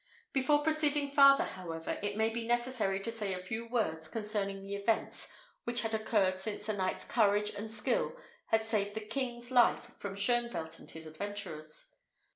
Before proceeding farther, however, it may be necessary to say a few words concerning the events which had occurred since the knight's courage and skill had saved the king's life from Shoenvelt and his adventurers.